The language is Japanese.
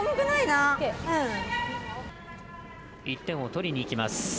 １点を取りにいきます。